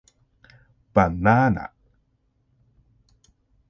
ばなな